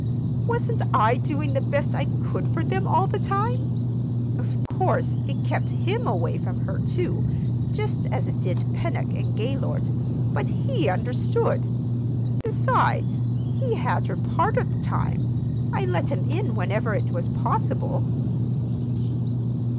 Wasn't I doing the best I could for them all the time? Of course, it kept him away from her, too, just as it did Pennock and Gaylord; but he understood. Besides, he had her part of the time. I let him in whenever it was possible."